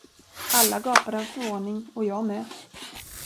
Alla gapade av förvåning och jag med.